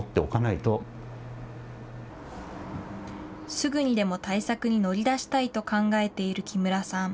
すぐにでも対策に乗り出したいと考えている木村さん。